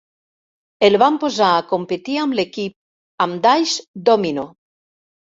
El van posar a competir amb l'equip, amb Dice Domino.